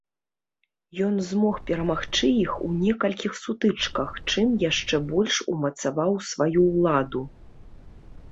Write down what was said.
Ён змог перамагчы іх у некалькіх сутычках, чым яшчэ больш умацаваў сваю ўладу.